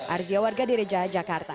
arzia warga direja jakarta